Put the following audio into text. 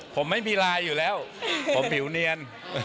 ผมไม่มีลายอยู่แล้วผมผิวเนียน